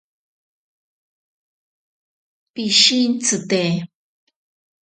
Pishintsite.